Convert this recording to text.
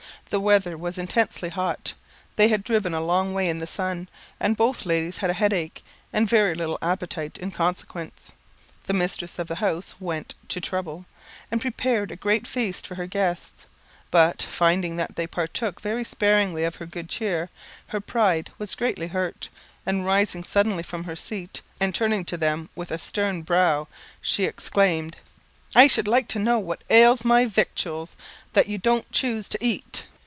The weather was intensely hot. They had driven a long way in the sun, and both ladies had a headache, and very little appetite in consequence. The mistress of the house went "to trouble," and prepared a great feast for her guests; but, finding that they partook very sparingly of her good cheer, her pride was greatly hurt, and rising suddenly from her seat, and turning to them with a stern brow, she exclaimed, "I should like to know what ails my victuals, that you don't choose to eat."